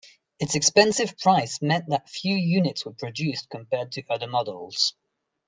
Its expensive price meant that few units were produced compared to other models.